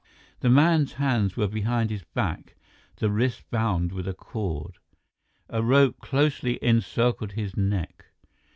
The man's hands were behind his back, the wrists bound with a cord. A rope closely encircled his neck.